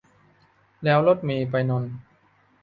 แล้วรถเมล์ไปนนท์